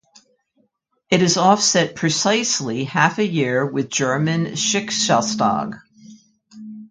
It is offset precisely half a year with German Schicksalstag.